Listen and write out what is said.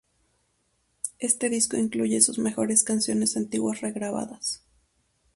Este disco incluye sus mejores canciones antiguas regrabadas.